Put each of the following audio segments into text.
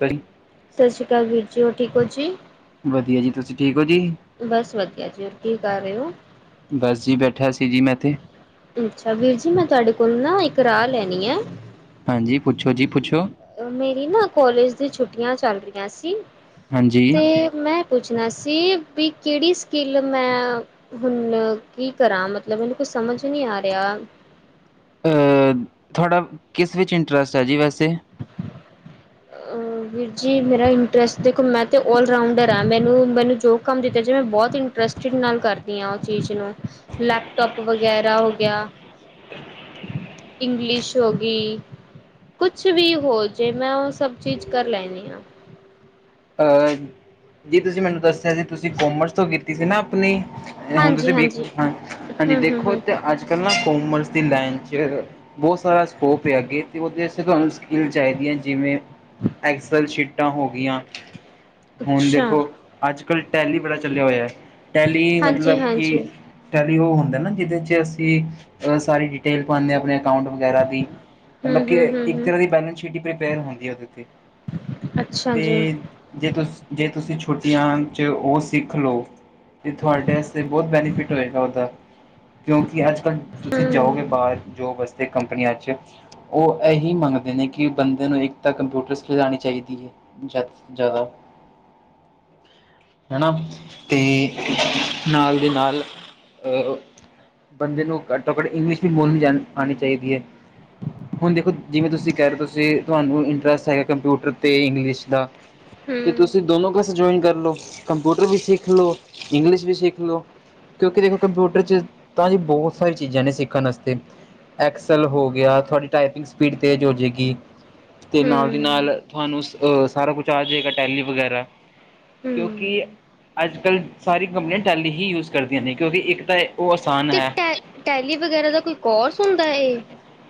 ਸਹੀ ਸਤਿ ਸ੍ਰੀ ਅਕਾਲ ਵੀਰ ਜੀ ਹੋਰ ਠੀਕ ਹੋ ਜੀ। ਵਧੀਆ ਜੀ ਤੁਸੀਂ ਠੀਕ ਹੋ ਜੀ? ਬਸ ਵਧੀਆ ਜੀ ਹੋਰ ਕੀ ਕਰ ਰਹੇ ਹੋ? ਬਸ ਜੀ ਬੈਠਾ ਸੀ ਜੀ ਮੈਂ ਤੇ। ਅੱਛਾ ਵੀਰ ਜੀ, ਮੈਂ ਤੁਹਾਡੇ ਕੋਲ ਨਾ ਇੱਕ ਰਾਏ ਲੈਣੀ ਹੈ। ਹਾਂਜੀ ਪੁੱਛੋ ਜੀ ਪੁੱਛੋ? ਮੇਰੀ ਨਾ ਕੋਲਜ ਦੀ ਛੁੱਟੀਆਂ ਚੱਲ ਰਹੀਆਂ ਸੀ ਹਾਂਜੀ ਤੇ ਮੈਂ। ਪੁੱਛਣਾ ਸੀ ਵੀ ਕਿਹੜੀ ਸਕਿੱਲ ਮੈਂ, ਹੁਣ ਕੀ ਕਰਾਂ ਮਤਲਬ ਮੈਨੂੰ ਕੁਛ। ਸਮਝ ਨਹੀਂ ਆ ਰਿਹਾ। ਤੁਹਾਡਾ, ਕਿਸ ਵਿੱਚ ਇੰਟਰਸਟ ਹੈ ਜੀ ਵੈਸੇ? ਵੀਰ ਜੀ, ਮੇਰਾ ਇੰਟਰਸਟ ਦੇਖੋ, ਮੈਂ ਤਾਂ ਔਲਰਾਊਂਡਰ ਹਾਂ ਮੈਨੂੰ। ਮੈਨੂੰ ਜੋ ਕੰਮ ਦਿੱਤਾ ਜਾਏ ਮੈਂ ਬਹੁਤ ਇੰਟਰਸਟਡ ਨਾਲ ਕਰਦੀ ਹਾਂ ਉਹ ਚੀਜ਼ ਨੂੰ, ਲੈਪਟੋਪ ਵਗੈਰਾ। ਹੋ ਗਿਆ, ਇੰਗਲਿਸ਼ ਹੋਗੀ ਕੁਛ। ਕੁਛ ਵੀ ਹੋ ਜੇ ਮੈਂ ਉਹ ਸਭ ਚੀਜ਼ ਕਰ ਲੈਨੀ ਹਾਂ। ਜੀ ਤੁਸੀਂ ਮੈਨੂੰ ਦੱਸਿਆ ਸੀ ਤੁਸੀਂ ਕੋਮਰਸ ਤੋਂ ਕੀਤੀ ਸੀ ਨਾ। ਆਪਣੀ ਹੁਣ ਹਾਂਜੀ ਤੁਸੀਂ ਹਾਂਜੀ। ਹਾਂਜੀ ਹੂੰ ਹੂੰ ਦੇਖੋ ਹੂੰ ਤੇ, ਅੱਜ ਕੱਲ੍ਹ ਨਾ ਕੋਮਰਸ ਦੀ ਲਾਈਨ 'ਚ, ਬਹੁਤ ਸਾਰਾ ਸਕੋਪ ਹੈ ਅੱਗੇ ਅਤੇ ਉਹਦੇ ਵਾਸਤੇ ਤੁਹਾਨੂੰ ਸਕਿੱਲ ਚਾਹੀਦੀਆਂ। ਜਿਵੇਂ ਐਕਸਲ ਸ਼ੀਟਾਂ ਹੋ ਗਈਆਂ। ਹੁਣ ਅੱਛਾ। ਦੇਖੋ ਅੱਜ। ਕੱਲ੍ਹ ਟੈਲੀ ਬੜਾ ਚੱਲਿਆ ਹੋਇਆ ਟੈਲੀ ਹਾਂਜੀ ਮਤਲਬ ਕਿ ਹਾਂਜੀ। ਟੈਲ ਉਹ ਹੁੰਦਾ ਨਾ ਜਿਹਦੇ ਚ ਅਸੀਂ ਅਹ ਸਾਰੀ ਡਿਟੇਲ ਪਾਉਂਦੇ ਹਾਂ। ਆਪਣੇ ਅਕਾਊਂਟ ਵਗੈਰਾ ਦੀ, ਹੂੰ ਹੂੰ ਹੂੰ ਇੱਕ ਹੂੰ ਤਰਾਂ ਦੀ ਬੈਲੰਸ ਸ਼ੀਟ ਹੀ ਪਰੀਪੇਅਰ ਹੁੰਦੀ ਹੈ ਉਦੇ ਤੇ। ਅੱਛਾ ਜੀ। ਅਤੇ ਜੇ ਤੁਸੀ ਜੇ ਤੁਸੀਂ ਛੁੱਟੀਆਂ ਚ ਉਹ ਸਿੱਖ ਲਓ। ਤੇ ਤੁਹਾਡੇ ਵਾਸਤੇ ਬਹੁਤ ਬੈਨੀਫਿਟ ਹੋਏਗਾ ਉਹਦਾ ਕਿਉਂਕਿ ਅੱਜ। ਤੁਸੀਂ ਜਾਓਗੇ ਹੂੰ ਬਾਹਰ ਜੋਬ ਵਾਸਤੇ। ਕੰਪਨੀਆਂ 'ਚ ਉਹ ਇਹੀ ਮੰਗਦੇ ਨੇ ਕਿ ਬੰਦੇ ਨੂੰ ਇੱਕ ਤਾਂ ਕੰਪਿਊਟਰਸ ਸਕਿੱਲ ਆਨੀ ਚਾਹੀਦੀ ਹੈ। ਜਦ ਜ਼ਿਆਦਾ। ਹੈ ਨਾ ਤੇ ਨਾਲ ਦੀ ਨਾਲ। ਅਹ ਬੰਦੇ ਨੂੰ ਘੱਟੋ ਘੱਟ ਇੰਗਲਿਸ਼ ਵੀ ਬੋਲਣੀ ਆਉਣੀ ਚਾਹੀਦੀ ਹੈ। ਹੁਣ ਦੇਖੋ ਜਿਵੇਂ ਤੁਸੀਂ ਕਹਿ ਰਹੇ ਹੋ ਤੁਸੀਂ ਤੁਹਾਨੂੰ ਇੰਟਰਸਟ ਹੈਗਾ ਕੰਪਿਊਟਰ ਤੇ ਇੰਗਲਿਸ਼ ਦਾ। ਤੇ ਹੂੰ ਤੁਸੀਂ ਦੋਨੋ ਕ। ਜੋਇਨ ਕਰ ਲਓ ਕੰਪਿਊਟਰ ਵੀ ਸਿੱਖ ਲਓ, ਇੰਗਲਿਸ਼ ਵੀ ਸਿੱਖ ਲਓ। ਕਿਉਂਕਿ ਦੇਖੋ ਕੰਪਿਊਟਰ ਚ ਤਾਂ ਜੀ ਬਹੁਤ ਸਾਰੀ ਚੀਜ਼ਾਂ ਨੇ ਸਿੱਖਣ ਵਾਸਤੇ। ਐਕਸਲ ਹੋ ਗਿਆ ਤੁਹਾਡੀ ਟਾਈਪਿੰਗ ਸਪੀਡ ਤੇਜ਼ ਹੋ ਜਏਗੀ। ਤੇ ਨਾਲ ਦੀ ਨਾਲ ਤੁਹਾਨੂੰ ਅਹ ਸਾਰਾ ਕੁਛ ਆ ਜਾਏਗਾ ਟੈਲੀ ਵਗੈਰਾ। ਕਿਉਂਕਿ ਹੂੰ। ਅੱਜ ਕੱਲ੍ਹ ਸਾਰੀ ਕੰਪਨੀਆਂ ਟੈਲੀ ਹੀ ਯੂਜ ਕਰਦੀਆਂ ਨੇ ਕਿਉਂਕਿ ਇੱਕ ਤਾਂ ਉਹ ਆਸਾਨ ਤੇ ਹੈ। ਟੈ ਟੈਲੀ ਵਗੈਰਾ ਦਾ ਕੋਈ ਕੋਰਸ ਹੁੰਦਾ ਏ।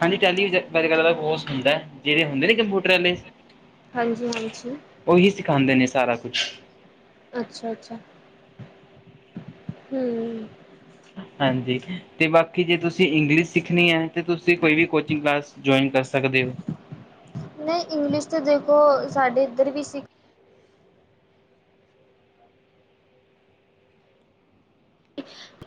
ਹਾਂਜੀ ਟੈਲੀ ਵਿਚ ਅਜ ਕੱਲ ਕੋਰਸ ਹੁੰਦਾ ਜਿਹੜੇ ਹੁੰਦੇ ਨੇ ਕੰਪਿਊਟਰ ਵਾਲੇ। ਹਾਂਜੀ ਹਾਂਜੀ ਉਹੀ ਸਿਖਾਉਦੇ ਨੇ ਸਾਰਾ ਕੁਛ। ਅੱਛਾ ਅੱਛਾ। ਹਮ। ਹਾਂਜੀ ਤੇ ਬਾਕੀ ਜੇ ਤੁਸੀਂ ਇੰਗਲਿਸ਼ ਸਿੱਖਣੀ ਹੈ ਤੇ ਤੁਸੀਂ ਕੋਈ ਵੀ ਕੋਚਿੰਗ ਕਲਾਸ ਜੁਆਇਨ ਕਰ ਸਕ ਸਕਦੇ ਹੋ। ਨਹੀਂ ਇੰਗਲਿਸ਼ ਤੇ ਦੇਖੋ ਸਾਡੇ ਇੱਧਰ ਵੀ ਸੀ।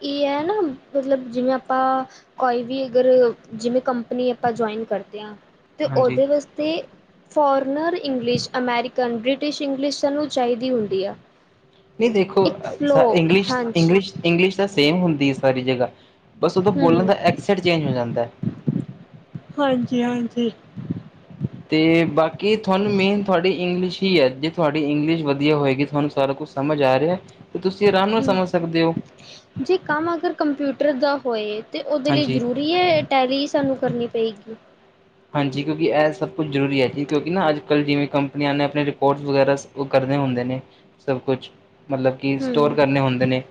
ਇਹ ਹੈ ਨਾ ਮਤਲਬ ਜਿਵੇਂ ਆਪਾਂ ਕੋਈ ਵੀ ਅਗਰ ਜਿਵੇਂ ਕੰਪਨੀ ਆਪਾਂ ਜੋਇਨ ਕਰਦੇ ਹਾਂ ਤੇ ਹਾਂਜੀ ਉਹਦੇ ਵਾਸਤੇ foreigner. English American British English ਸਾਨੂੰ ਚਾਹੀਦੀ ਹੁੰਦੀ ਆ। ਨਹੀਂ ਦੇਖੋ ਇੱਕ ਫਲੋ ਇੰਗਲਿਸ਼ ਹਾਂਜੀ ਇੰਗਲਿਸ਼ ਇੰਗਲਿਸ਼ ਤਾਂ ਸੇਮ ਹੁੰਦੀ ਹੈ ਸਾਰੀ ਜਗ੍ਹਾ। ਬਸ ਉਹਦਾ ਬੋਲਣ ਹੂੰ ਦਾ ਐਕਸੈਂਟ ਚੇਂਜ ਹੋ ਜਾਂਦਾ ਹੈ। ਹਾਂਜੀ ਹਾਂਜੀ ਤੇ ਬਾਕੀ ਤੁਹਾਨੂੰ ਮੇਨ ਤੁਹਾਡੀ ਇੰਗਲਿਸ਼ ਹੀ ਹੈ ਜੇ ਤੁਹਾਡੀ ਇੰਗਲਿਸ਼ ਵਧੀਆ ਹੋਏਗੀ ਤੁਹਾਨੂੰ ਸਾਰਾ ਕੁਛ ਸਮਝ ਆ ਰਿਹਾ ਤੇ ਤੁਸੀਂ ਆਰਾਮ ਨਾਲ ਹੂੰ ਸਮਝ ਸਕਦੇ ਹੋ। ਜੇ ਕੰਮ ਅਗਰ ਕੰਪਿਊਟਰ ਦਾ ਹੋਏ ਤੇ ਉਹਦੇ ਲਈ ਹਾਂਜੀ ਜ਼ਰੂਰੀ ਹੈ ਟੈਲੀ ਹੀ ਸਾਨੂੰ ਕਰਨੀ ਪਏਗੀ? ਹਾਂਜੀ ਕਿਉਂਕਿ ਇਹ ਸਭ ਕੁਛ ਜ਼ਰੂਰੀ ਹੈ ਜੀ ਕਿਉਂਕਿ ਨਾ ਅੱਜ ਕੱਲ ਜਿਵੇਂ ਕੰਪਨੀਆਂ ਨੇ ਆਪਣੇ ਰਿਪੋਰਟਸ ਵਗੈਰਾ ਕਰ ਹੁੰਦੇ ਨੇ ਸਭ ਕੁਛ ਮਤਲਬ ਕਿ ਇਨ ਸਟੋਰ ਹੂੰ ਕਰਨੇ ਹੁੰਦੇ ਨੇ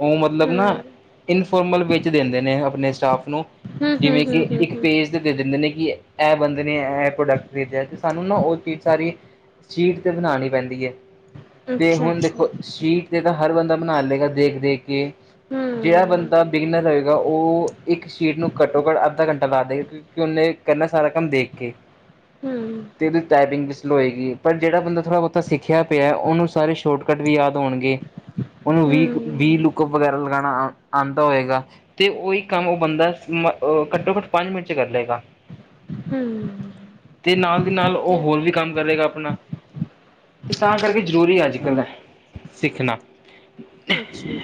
ਉਹ ਮਤਲਬ ਨਾ ਹੂੰ ਇਨਫੋਾਰਮਲ ਵ ਦਿੰਦੇ ਨੇ ਆਪਣੇ ਸਟਾਫ ਨੂੰ ਹੂੰ ਹੂੰ ਜਿਵੇਂ ਕਿ ਹੂੰ ਹੂੰ ਇੱਕ ਹੂੰ ਪੇਜ ਤੇ ਦੇ ਦਿੰਦੇ ਨੇ ਕਿ ਇਹ ਬੰਦੇ ਨੇ ਇਹ ਪ੍ਰੋਡਕਟ ਦੇਤਾ ਤੇ ਸਾਨੂੰ ਨਾ ਉਹ ਚੀਜ਼ ਸਾਰੀ ਸ਼ੀਟ ਤੇ ਬਣਾਉਣੀ ਪੈਂਦੀ ਹੈ। ਤੇ ਅੱਛਾ ਹੁਣ ਅੱਛਾ ਦੇਖੋ ਸ਼ੀਟ ਤੇ ਤਾਂ ਹਰ ਬੰਦਾ ਬਣਾ ਲਏਗਾ ਦੇਖ ਦੇਖ ਕੇ। ਜਿਹੜਾ ਹੂੰ ਬੰਦਾ ਬਿਗਨਰ ਹੋਏਗਾ ਉਹ ਇੱਕ ਸ਼ੀਟ ਨੂੰ ਘੱਟੋ ਘੱਟ ਅੱਧਾ ਘੰਟਾ ਲਾ ਦੇ ਕਿਉਂਕਿ ਉਹਨੇ ਕਰਨਾ ਸਾਰਾ ਕੰਮ ਦੇਖ ਕੇ। ਹੂੰ ਤੇ ਨਾ ਟਾਈਪਿੰਗ [unintelligible] ਲੋ ਹੋਏਗੀ ਪਰ ਜਿਹੜਾ ਬੰਦਾ ਥੋੜਾ ਬਹੁਤਾ ਸਿੱਖਿਆ ਪਿਆ ਉਹਨੂੰ ਸਾਰੇ ਸ਼ੋਰਟਕੱਟ ਵੀ ਯਾਦ ਹੋਣਗੇ। ਉਹਨੂੰ ਵੀਹ ਵੀਹ ਹੂੰ ਲੁਕਪ ਵਗੈਰਾ ਲਗਾਉਣਾ ਆਉਂਦਾ ਹੋਏਗਾ ਤੇ ਉਹੀ ਕੰਮ ਉਹ ਬੰਦਾ ਘੱਟੋ ਘੱਟ ਪੰਜ ਮਿੰਟ ਚ ਕਰ ਲਏਗਾ। ਹੂੰ ਤੇ ਨਾਲ ਦੀ ਨਾਲ ਉਹ ਓਕੇ ਹੋਰ ਵੀ ਕੰਮ ਕਰੇਗਾ ਆਪਣਾ। ਤੇ ਤਾਂ ਕਰਕੇ ਜ਼ਰੂਰੀ ਅੱਜ ਕੱਲ੍ਹ ਸਿੱਖਣਾ ਅੱਛਾ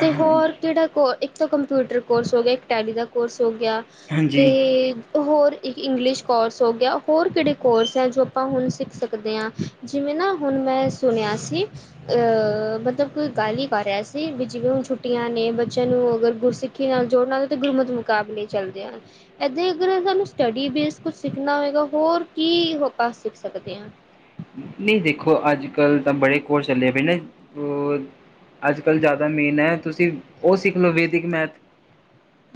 ਤੇ ਹੋਰ ਹਾਂਜੀ-ਹਾਂਜੀ। ਕਿਹੜਾ ਕੋ ਇੱਕ ਤਾਂ ਕੰਪਿਊਟਰ ਕੋਰਸ ਹੋ ਗਿਆ ਇੱਕ ਟੈਲੀ ਦਾ ਕੋਰਸ ਹੋ ਗਿਆ ਤੇ, ਹੋਰ ਇੱਕ ਇੰਗਲਿਸ਼ ਕੋਰਸ ਹੋ ਗਿਆ ਹੋਰ ਕਿਹੜੇ ਕੋਰਸ ਹੈ ਜੋ ਆਪਾਂ ਹੁਣ ਸਿੱਖ ਸਕਦੇ ਹਾਂ ਜਿਵੇਂ, ਨਾ ਹੁਣ ਮੈਂ ਸੁਣਿਆ ਸੀ ਅਹ ਮਤਲਬ ਗੱਲ ਹੀ ਪਾ ਰਿਹਾ ਸੀ ਵੀ ਜਿਵੇਂ ਹੁਣ ਛੁੱਟੀਆਂ ਨੇ ਬੱਚਿਆਂ ਨੂੰ ਅਗਰ ਗੁਰ ਸਿੱਖੀ ਨਾਲ ਜੋੜਨ ਨਾਲ ਤੇ ਗੁਰਮਤ ਮੁਕਾਬਲੇ ਚਦੇ ਹਨ ਇ ਅਰ ਸਾਨੂੰ ਸਟੱਡੀ ਬੇਸ ਕੁਛ ਸਿੱਖਣਾ ਹੋਏਗਾ ਹੋਰ ਕੀ ਪਾ ਸਕਦੇ ਹਾਂ, ਨਹੀਂ ਦੇਖੋ ਅੱਜ ਕੱਲ੍ਹ ਤਾਂ ਬੜੇ ਕੋਰਸ ਚੱਲੇ ਪਏ ਨਾ। ਅੱਜ-ਕੱਲ੍ਹ ਜ਼ਿਆਦਾ ਮੇਨ ਹੈ ਤੁਸੀਂ ਉਹ ਸਿੱਖ ਲਓ ਵੈਦਿਕ ਮੈਥ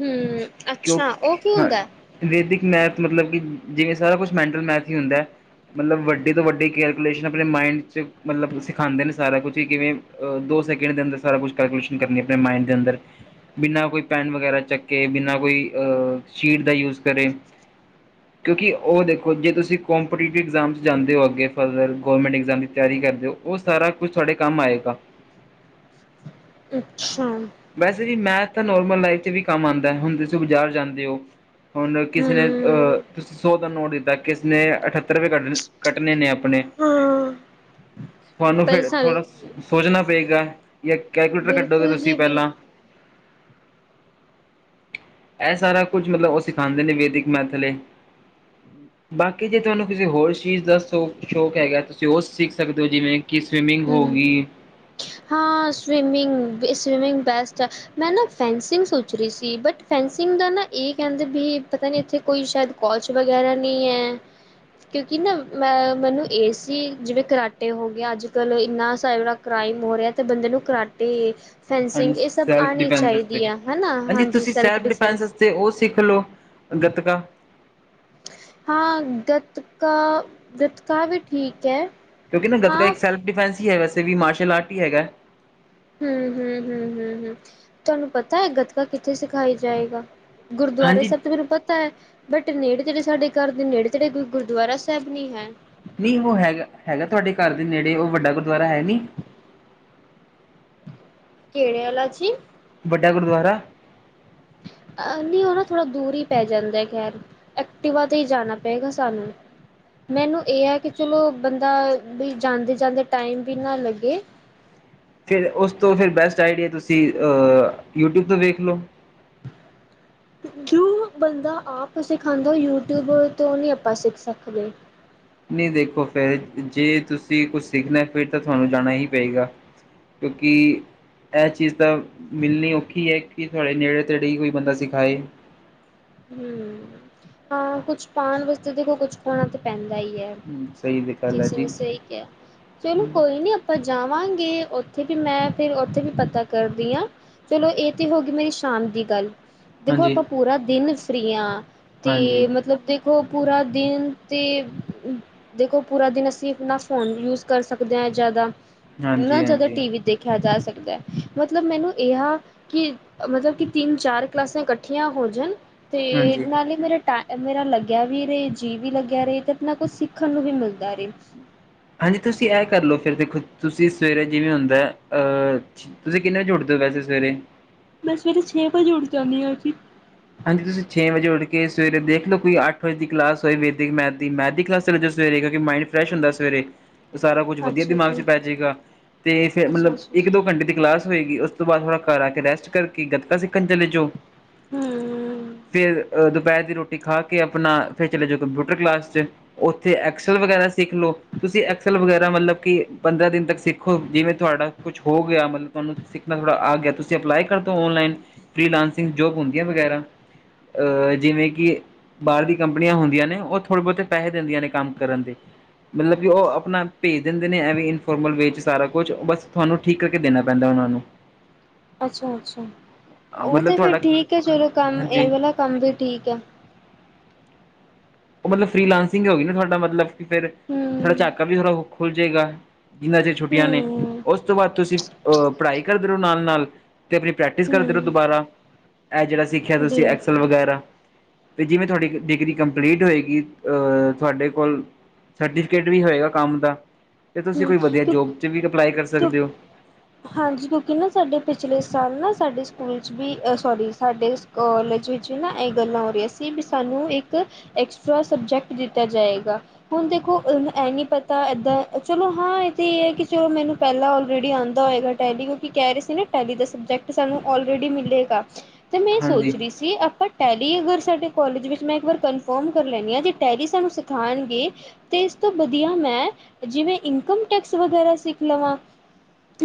ਹਮ ਕਿਉਂ ਅੱਛਾ ਉਹ ਕੀ ਹਾਂ ਹੁੰਦਾ ਵੈਦਿਕ ਮੈਪ ਮਤਲਬ ਕਿ, ਜਿਵੇਂ ਸਾਰਾ ਕੁਛ ਮੈਂਟਲ ਮੈਥ ਹੀ ਹੁੰਦਾ ਹੈ ਮਤਲਬ ਵੱਡੇ ਤੋਂ ਵੱਡੇ, ਕੈਲਕੁਲੇਸ਼ਨ ਆਪਣੇ ਮਾਈਡ ਚ ਮਤਲਬ ਸਿਖਾਦੇ ਸਾਰਾ ਕੁਛ ਈ ਕਿਵੇਂ ਦੋ ਸੈਕਿੰਡ ਅੰਦਰ ਸਾਰਾ ਕੁਛ ਕੈਲਕੂਲੇਸ਼ਨ ਕਰਨੀ ਆਪਣੇ ਮਾਈਂਡ ਦੇ ਅੰਦਰ, ਬਿਨਾਂ ਕੋਈ ਪੈੱਨ ਵਗੈਰਾ ਚੱਕੇ ਬਿਨਾਂ ਕੋਈ ਅਹ ਸ਼ੀਟ ਦਾ ਯੂਜ ਕਰੇ ਕਿਉਂਕਿ ਉਹ ਦੇਖੋ ਜੇ ਤੁਸੀਂ ਕੋਂਪੀਟੀਟਿਵ ਐਗਜ਼ਾਮ ਜਾਂਦੇ ਹੋ ਅੱਗੇ ਫ ਗਰਮੈਂਟ ਇਗਜ਼ਾਮ ਦੀ ਤਿਆਰੀ ਕਰਦੇ ਹੋ ਉਹ ਸਾਰਾ ਕੁਛ ਤੁਡੇ ਕੰਮ ਆਏਗਾ ਅੱਛਾ, ਵੈਸੇ ਵੀ ਮੈਥ ਤਾਂ ਨੋਰਮਲ ਲਾਈਫ ਚ ਵੀ ਕੰਮ ਆਦਾ ਹੁੰਣ ਤੁਸੀਂ ਬਾਜ਼ਾਰ ਜਾਂਦੇ ਹੋ ਹੁਣ ਕਿਸੇ ਨੇ ਹਮ ਅਹ ਤੁਸੀਂ ਸੌ ਦਾ ਨੋਟ ਦਿੱਤਾ ਕਿਸਨੇ ਅਠੱਤਰ ਰੁਪਏ ਕੱਢ ਕੱਟਣੇ ਨੇ ਆਪ ਆਪਣੇ ਪਰੇਸ਼ਾਨ [unintelligible] ਤੁਹਾਨੂੰ ਫਿਰ ਥੋੜ੍ਹਾ ਸੋਚਣਾ ਪਏਗਾ ਜਾਂ ਕੈਲਕੂਲੇਟਰ ਕੱਢੋਗੇ ਬਿਲਕੁਲ ਜੀ ਤੁਸੀਂ ਪਹਿਲਾਂ [unintelligible] ਇਹ ਸਾਰਾ ਕੁਝ ਮਤਲਬ ਉਹ ਸਿਖਾਉਂਦੇ ਨੇ ਵੈਦਿਕ ਮੈਥਲੇ ਬਾਕੀ ਜੇ ਤੁਹਾਨੂੰ ਕਿਸੇ ਹੋਰ ਚੀਜ਼ ਦੱਸੋ? ਸ਼ੌਕ ਹੈਗਾ ਤੁਸੀਂ ਉਹ ਸਿੱਖ ਸਕਦੇ ਹੋ ਜਿਵੇਂ ਕਿ ਸਵਿਮਿੰਗ ਹੂੰ ਹੋ ਗਈ। ਹਾਂ ਸਵਿਮਿੰਗ ਸਵੀਮਿੰਗ ਬੈਸਟ ਹੈ ਮੈਂ ਨਾ ਫੈਂਸਿੰਗ ਸੋਚ ਰਹੀ ਸੀ ਬਟ ਫੈਂ ਸਵਿਮਿੰਗ ਦਾ ਨਾ ਇਹ ਕਹਿੰਦੇ ਵੀ ਪਤਾ ਨੀ ਇੱਥੇ ਕੋਈ ਸ਼ਾਇਦ ਕੋਜ ਵਗੈਰਾ ਨਹੀਂ ਹੈ। ਕਿਉਂਕਿ ਨਾ ਮੈਂ ਮੈਨੂੰ ਇਹ ਸੀ ਜਿਵੇਂ ਕਰਰਾਟੇ ਹੋ ਗਏ ਅੱਜ ਕੱਲ ਇੰਨਾ ਸ ਕ੍ਰਾਈਮ ਮੋ ਰਿਹਾ ਤੇ ਬੰਦੇ ਨੂੰ ਕਰਾਟੇ ਹਾਂਜੀ ਫੈਂਸਿੰਗ ਇਹ ਸਭ ਸੈਲਫ ਆਉਣੀ ਡਿਫੈਂਸ ਤੇ ਚਾਹੀਦੀ ਆ ਹੈ ਨਾ ਹਾਂਜੀ ਤੁਸੀਂ ਸੈਲਫ ਡਿਫੈਂਸ ਵਾਸਤੇ ਉਹ ਸਿੱਖ ਲਓ। ਗਤਕਾ, ਹਾਂ ਗਤਕਾ ਗੱਤਕਾ ਵੀ ਠੀਕ ਹੈ। ਕਿਉਂਕਿ ਨਾ ਗਤਕਾ ਹਾਂ ਇੱਕ ਸੈਲਫ ਡਿਫੈਂਸ ਹੀ ਹੈ ਵੈਸੇ ਵੀ ਮਾਰਸ਼ਲ ਆਰਟ ਹੀ ਹੈਗਾ। ਹੂੰ-ਹੂੰ-ਹੂੰ-ਹੂੰ-ਹੂੰ, ਤੁਹਾਨੂੰ ਪਤਾ ਹੈ ਗਤਕਾ ਕਿੱਥੇ ਸਿਖਾਈ ਜਾਏਗਾ। ਗੁਰਦੁਆਰੇ ਹਾਂਜੀ ਸਾਹਿਬ ਤੋਂ ਮੈਨੂੰ ਪਤਾ ਹੈ। ਬਟ ਨੇੜੇ ਤੇੜੇ ਸਾਡੇ ਘਰ ਦੇ ਨੇੜੇ-ਤੇੜੇ ਕੋਈ ਗੁਰਦੁਆਰਾ ਸਾਹਿਬ ਨੀ ਹੈ। ਨਹੀਂ ਉਹ ਹੈਗਾ-ਹੈਗਾ ਤੁਹਾਡੇ ਘਰ ਦੇ ਨੇੜੇ ਉਹ ਵੱਡਾ ਗੁਰਦੁਆਰਾ ਹੈ ਨੀ, [inaudible] ਕਿਹੜੇ ਵਾਲਾ ਜੀ ਵੱਡਾ ਗੁਰਦੁਆਰਾ ਆ ਸੀ ਨਾ ਉਹ ਨਾ ਥੋੜਾ ਦੂਰੀ, ਪੈ ਜਾਂਦਾ ਖੈਰ ਐਕਟਿਵਾ ਤੇ ਹੀ ਜਾਣਾ ਪਏਗਾ ਸਾਨੂੰ ਮੈਨੂੰ ਇਹ ਹੈ ਕਿ ਚਲੋ ਬੰਦਾ ਵੀ ਜਾਂਦੇ ਜਾਂਦੇ ਟਾਈਮ ਵੀ ਨਾ ਲੱਗੇ। [inaudible] ਫਿਰ ਉਸ ਤੋਂ ਫਿਰ ਬੈਸਟ ਆਈਡੀਆ ਤੁਸੀਂ ਅਹ ਯੂਟਿਊਬ ਤੋਂ ਵੇਖ ਲਓ। [inaudible] ਜੋ ਬੰਦਾ ਆਪ ਸਿਖਾਦਾ ਯੂਟਿਊਬ ਤੋਂ ਨਹੀਂ ਆਪਾਂ ਸਿੱਖ ਸਕਦੇ। ਨਹੀਂ ਦੇਖੋ ਫੇਰ ਜੇ ਤੁਸੀਂ ਕੁਛ ਸਿੱਖਣਾ ਫਿਰ ਤਾਂ ਤੁਹਾਨੂੰ ਜਾਣਾ ਹੀ ਪਏਗਾ। ਕਿਉਂਕਿ, ਇਹ ਚੀਜ਼ ਤਾਂ ਮਿਲਣੀ ਔਖੀ ਹੈ ਕਿ ਤੁਹਾਡੇ ਨੇੜੇ-ਤੇੜੇ ਹੀ ਕੋਈ ਬੰਦਾ ਸਿਖਾਏ। ਹੂੰ ਹਾਂ ਕੁਛ ਪਾਉਣ ਵਾਸਤੇ ਦੇਖੋ ਕੁਛ ਖੋਣਾ ਤਾਂ ਪੈਂਦਾ। ਈ ਐ ਸਹੀ ਗੱਲ ਹੈ ਕਿਸੇ ਨੇ ਜੀ ਸਹੀ ਕਿਹਾ ਚਲੋ ਕੋਈ ਨੀ ਆਪਾਂ ਜਾਵਾਂਗੇ। ਉੱਥੇ ਵੀ ਮੈਂ ਫਿਰ ਉੱਥੇ ਵੀ ਪਤਾ ਕਰਦੀ ਹਾਂ ਚਲੋ ਇਹ ਤਾਂ ਹੋ ਗਈ ਮੇਰੀ ਸ਼ਾਮ ਦੀ ਗੱਲ ਦੇਖੋ ਹਾਂਜੀ, ਆਪਾਂ ਪੂਰਾ ਦਿਨ ਫਰੀ ਹਾਂ ਤੇ ਹਾਂਜੀ, ਮਤਲਬ ਦੇਖੋ ਦੇਖੋ ਪੂਰਾ ਦਿਨ ਅਤੇ ਦੇਖੋ ਪੂਰਾ ਦਿਨ ਅਸੀਂ ਆਪਣਾ ਫੋਨ ਯੂਜ ਕਰ ਸਕਦੇ ਹਾਂ। ਜ਼ਿਆਦਾ ਹਾਂਜੀ, ਨਾ ਹਾਂਜੀ, ਜ਼ਿਆਦਾ ਟੀ ਵੀ ਹਾਂਜੀ। ਦੇਖਿਆ ਜਾ ਸਕੇ ਮਤਲਬ ਮੈਨੂੰ ਇਹ ਆ ਕਿ ਮਤਲਬ ਕਿ ਤਿੰਨ ਚਾਰ ਕਲਾਸਾਂ ਇਕੱਠੀਆਂ ਹੋ ਜਾਣ ਤੇ ਨਾਲ ਹੀ ਮੇਰਾ ਮੇਰਾ ਲੱਗਿਆ ਵੀ ਰਹੇ ਜੀਅ ਵੀ ਲੱਗਿਆ ਰਹੇ ਤੇ ਨਾ ਕੁਛ ਸਿੱਖਣ ਨੂੰ ਵੀ ਮਿਲਦਾ ਰਹੇ। ਹਾਂਜੀ ਤੁਸੀਂ ਇਹ ਕਰ ਲਓ ਫਿਰ ਦੇਖੋ ਤੁਸੀਂ ਸਵੇਰੇ ਜਿਵੇਂ ਹੁੰਦਾ ਅਹ ਤੁਸੀਂ ਕਿੰਨੇ ਵਜੇ ਉਠਦੇ ਵੈਸੇ ਸਵੇਰੇ ਮੈਂ ਸਵੇਰੇ ਛੇ ਵਜੇ ਉੱਠ ਜਾਂਦੀ ਹਾਂ ਜੀ ਹਾਂਜੀ ਤੁਸੀਂ ਛੇ ਵਜੇ ਉੱਠ ਕੇ ਸਵੇਰੇ ਦੇਖ ਲਓ ਕੋਈ ਅੱਠ ਵਜੇ ਦੀ ਕਲਾਸ ਹੋਏ ਵਿੱਥ ਮੈਥ ਦੀ ਮੈਥ ਦੀ ਕਲਾਸ ਚੱਲ ਜ ਸਵੇਰੇ ਕਿਉਂਕਿ ਮਾਈੰਡ ਫਰੈਸ਼ ਹੁੰਦਾ ਸਵੇਰੇ ਉਹ ਸਾਰਾ ਕੁਝ ਵਧੀਆ ਅੱਛਾ ਦਿਮਾਗ ਚ ਜੀ, ਪੈ ਜਾਏਗਾ ਤੇ ਫੇਰ ਮਤਲਬ ਇੱਕ ਅੱਛਾ-ਅੱਛਾ-ਅੱਛਾ। ਦੋ ਘੰਟੇ ਦੀ ਕਲਾਸ ਹੋਏਗੀ। ਉਸ ਤੋਂ ਬਾਅਦ ਥੋੜਾ ਘਰ ਆ ਕੇ ਰੈਸਟ ਕਰਕੇ ਗੱਟਕਾ ਸਿੱਖਣ ਚਲੇ ਜਾਓ ਹੂੰ, ਫਿਰ ਦੁਪਹਿਰ ਦੀ ਰੋਟੀ ਖਾ ਕੇ ਆਪਣਾ ਫਿਰ ਚਲੇ ਜਾਓ ਕੰਪਿਊਟਰ ਕਲਾਸ ਚ ਉੱਥੇ ਐਕਸਲ ਵਗੈਰਾ ਸਿੱਖ ਲਓ ਤੁਸੀਂ ਐਕਸਲ ਵਗੈਰਾ ਮਤਲਬ ਕਿ ਪੰਦਰਾਂ ਦਿਨ ਤੱਕ ਸਿੱਖੋ ਜਿਵੇਂ ਤੁਹਾਡਾ ਕੁਛ ਹੋ ਗਿਆ ਮਤਲਬ ਤੁਹਾਨੂੰ ਸਿੱਖਣਾ ਥੋੜ੍ਹਾ ਆ ਗਿਆ ਤੁਸੀਂ ਅਪਲਾਈ ਕਰ ਦਿਓ ਔਨਲਾਈਨ ਫਰੀ ਲਾਂਸਿੰਗ ਜੋਬ ਹੁੰਦੀਆਂ ਵਗੈਰਾ ਅਹ ਜਿਵੇਂ ਕਿ ਬਾਹਰ ਦੀ ਕੰਪਨੀਆਂ ਹੁੰਦੀਆਂ ਨੇ ਉਹ ਥੋੜੇ ਬਹੁਤੇ ਪੈਸੇ ਦਿੰਦੀਆਂ ਨੇ ਕੰਮ ਕਰਨ ਦੇ ਮਤਲਬ ਕਿ ਉਹ ਆਪਣਾ ਭੇਜ ਦਿੰਦੇ ਨੇ ਐਵੇਂ ਇਨਫੋਰਮਲ ਵੇ ਚ ਸਾਰਾ ਕੁਛ ਬਸ ਤੁਹਾਨੂੰ ਠੀਕ ਕਰਕੇ ਦੇਣਾ ਪੈਂਦਾ ਉਹਨਾਂ ਨੂੰ ਅੱਛਾ ਅੱਛਾ ਉਹ ਮਤਲਬ ਤੇ ਫੇਰ ਤੁਹਾਡਾ ਠੀਕ ਹੈ ਚਲੋ ਕੰਮ ਹਾਂਜੀ ਇਹ ਵਾਲਾ ਕੰਮ ਵੀ ਠੀਕ ਹੈ। ਉਹ ਮਤਲਬ ਫਰੀ ਲਾਂਸਿੰਗ ਹੋ ਗਇਆ ਨਾ ਤੁਹਾਡਾ ਮਤਲਬ ਫਿਰ ਥੋੜ੍ਹਾ ਹੂੰ, ਝਾਕਾ ਵੀ ਥੋੜ੍ਹਾ ਖੁੱਲ ਜਾਏਗਾ। ਜਿੰਨਾ ਚਿਰ ਛੁੱਟੀਆਂ ਨੇ ਹੂੰ, ਉਸ ਤੋਂ ਬਾਅਦ ਤੁਸੀਂ ਅਹ ਪੜ੍ਹਾਈ ਕਰਦੇ ਰਹੋ ਨਾਲ ਨਾਲ ਅਤੇ ਆਪਣੀ ਪ੍ਰੈਕਟਿਸ ਕਰਦੇ ਰਹੋ ਹੂੰ, ਦੁਬਾਰਾ ਇਹ ਜਿਹੜਾ ਸਿੱਖਿਆ ਤੁਸੀਂ ਬਿਲ ਐਕਸਲ ਵਗੈਰਾ ਤੇ ਜਿਵੇਂ ਤੁਹਾਡੀ ਡਿਗਰੀ ਕੰ ਕੰਪਲੀਟ ਹੋਏਗੀ ਅਹ ਤੁਹਾਡੇ ਕੋਲ ਸਰਟੀਫਿਕੇਟ ਵੀ ਹੋਏਗਾ ਕੰਮ ਦਾ ਤੇ ਤੁਸੀਂ ਹੂੰ, ਕੋਈ ਵਧੀਆ ਕਿਉਂਕਿ ਜੋਬ ' ਵੀ ਅਪਲਾਈ ਕਰ ਸਕਦੇ ਹੋ। ਹਾਂਜੀ ਕਿਉਂਕਿ ਨਾ ਸਾਡੇ ਪਿਛਲੇ ਸਾਲ ਨਾ ਸਾਡੇ ਸਕੂਲ ' ਵੀ ਅ ਸੋਰੀ ਸਾਡੇ ਕੋਲਜ ਵਿੱਚ ਵੀ ਨਾ ਇਹ ਗੱਲਾਂ ਹੋ ਰਹੀਆਂ ਸੀ ਵੀ ਸਾਨੂੰ ਇੱਕ ਐਕਸਟਰਾ ਸਬਜੈਕਟ ਦਿੱਤਾ ਜਾਏਗਾ ਹੁਣ ਦੇਖੋ ਇਹ ਨਹੀਂ ਪਤਾ ਏਦਾਂ। ਚਲੋ ਹਾਂ ਇਹ ਤੇ ਇਹ ਹੈ ਕਿ ਚਲੋ ਮੈਨੂੰ ਪਹਿਲਾਂ ਆਲਰੇਡੀ ਆਉਂਦਾ ਹੋਏਗਾ ਟੈਲੀ ਕਿਉਂਕਿ ਕਹਿ ਰਹੇ ਸੀ ਨਾ ਟੈਲੀ ਦਾ ਸਬਜੈਕਟ ਸਾਨੂੰ ਅਲਰੈਡੀ ਮਿਲੇਗਾ ਤੇ ਮੈਂ ਹਾਂਜੀ ਸੋਚ ਰਹੀ ਸੀ ਆਪਾਂ ਟੈਲੀ ਅਗਰ ਸਾਡੇ ਕਾਲਜ ਵਿੱਚ ਮੈਂ ਇੱਕ ਵਾਰ ਕਨਫਰਮ ਕਰ ਲੈਣੀ ਹਾਂ ਜੇ ਟੈਰੀ ਸਾਨੂੰ ਸਿਖਾਉਣਗੇ ਤੇ ਇਸ ਤੋਂ ਵਧੀਆ ਮੈਂ ਜਿਵੇਂ ਇਨਕਮ ਟੈਕਸ ਵਗੈਰਾ ਸਿੱਖ ਲਵਾਂ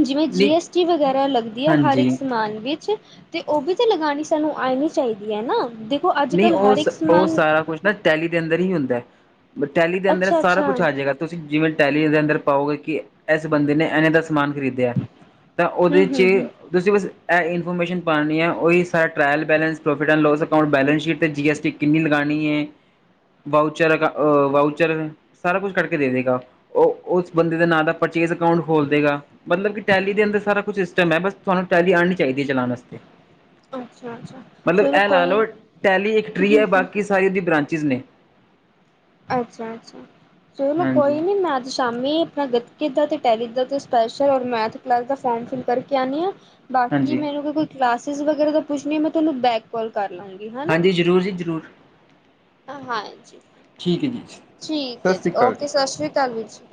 ਜਿਵੇਂ ਜੀ ਨਹੀਂ ਐਸ ਟੀ ਵਗੈਰਾ ਲੱਗਦੀ ਆ ਹਰ ਇੱਕ ਹਾਂਜੀ ਸਮਾਨ ਵਿੱਚ। ਤੇ ਉਹ ਵੀ ਤਾਂ ਲਗਾਨੀ ਸਾਨੂੰ ਆਉਣੀ ਚਾਹੀਦੀ ਹੈ ਨਾ। ਦੇਖੋ ਅੱਜ ਨਹੀਂ ਕੱਲ ਉਹ ਹਰ ਇੱਕ ਉਹ ਸਮਾਨ ਸਾਰਾ ਕੁਛ ਨਾ ਟੈਲੀ ਦੇ ਅੰਦਰ ਹੀ ਹੁੰਦਾ। ਟੈਲੀ ਦੇ ਅੰਦਰ ਅੱਛਾ ਸਾਰਾ ਅੱਛਾ ਕੁਛ ਆ ਜਾਏਗਾ ਤੁਸੀਂ ਜਿਵੇਂ ਟੈਲੀ ਦੇ ਅੰਦਰ ਪਾਓਗੇ ਕਿ। ਇਸ ਬੰਦੇ ਨੇ ਇਨੇ ਦਾ ਸਮਾਨ ਖਰੀਦਿਆ ਤਾਂ ਹੂੰ ਉਹਦੇ 'ਚ ਹੂੰ ਹੂੰ ਤੁਸੀਂ ਬਸ ਇਹ ਇਨਫੋਰਮੇਸ਼ਨ। ਪਾਣੀ ਹੈ ਉਹ ਸਾਰਾ trial balance profit and loss account ਬੈੈਂਸ। [unintelligible] G S T ਕਿੰਨੀ ਲਗਾਣੀ ਹੈ ਵਾਊਚਾਰ ਅਹ ਵਚਾਰ ਸਾਰਾ ਕੁਛ ਕੱਕੇ ਦੇ ਦੇਗਾ ਉਹ ਉਸ ਬੰਦੇ ਦਾ ਨਾਂ ਦਾ ਪੱ ਖੋਲਦੇਗਾ ਮਤਲਬ ਟੈਲੀ ਦੇ ਅੰਦਰ ਸਾਰਾ ਕੁਛ ਸਿਸਟਮ ਹੈ। ਬਸ ਤੁਹਾਨੂੰ ਟੈਲੀ ਆਣਨੀ ਚਾਹੀਦੀ ਹੈ ਚਲਾਉਣ ਵਾਸਤੇ ਅੱਛਾ ਅੱਛਾ ਮਤਲਬ ਚਲੋ ਇਹ ਲਾ ਕੋਈ। ਲਓ ਟੈਲੀ ਇੱਕ ਟ੍ਰੀ ਹੈ ਬਾਕੀ ਸਾਰੀ ਉਹਦੀ ਬ੍ਰਾਂਚਿਸ ਨੇ ਅੱਛਾ ਅੱਛਾ ਚਲੋ ਹਾਂਜੀ ਕੋਈ ਨੀ ਮੈਂ ਅੱਜ। ਸ਼ਾਮੀ ਆਪਣਾ ਗਤਕੇ ਦਾ ਅਤੇ ਟੈਲੀ ਦਾ ਅਤੇ ਸਪੈਸ਼ਲ ਔਰ ਮੈਥ ਕਲਾਸ ਦਾ ਫੋਰਮ ਫਿਲ ਕਰਕੇ ਆਉਂਦੀ ਹਾਂ ਬਾਕੀ ਹਾਂਜੀ ਮੈਨੂੰ ਕੋਈ ਕਲਾਸਸ ਵਗੈਰਾ ਦਾ ਪੁੱਛਣੀ ਮੈਂ ਤੁਹਾਨੂੰ ਬੈਕ ਕਾਲ ਕਰ ਲਾਂਗੀ ਹਨਾ ਹਾਂਜੀ ਜ਼ਰੂਰ ਜੀ ਜ਼ਰੂਰ ਹਾਂ ਜੀ ਠੀਕ ਹੈ ਜੀ ਸਤਿ ਠੀਕ ਹੈ ਜੀ ਸ਼੍ਰੀ ਅਕਾਲ ਓਕੇ ਸਤਿ ਸ੍ਰੀ ਅਕਾਲ ਵੀਰ ਜੀ